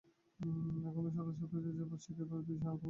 আর এখনও শত শতাব্দী যাবৎ জগৎকে শিখাইবার বিষয় তোমাদের যথেষ্ট আছে।